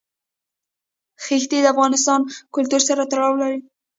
ښتې د افغان کلتور سره تړاو لري.